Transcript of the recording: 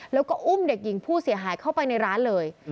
แล้วก็อุ้มเด็กหญิงผู้เสียหายเข้าไปในร้านเลย